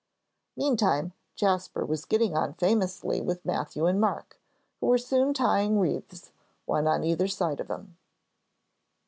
Meantime, Jasper was getting on famously with Matthew and Mark, who were soon tying wreaths, one on either side of him.